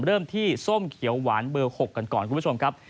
เริ่มที่ส้มเขียวหวานเบอร์๖กันก่อนคุณผู้ชมครับ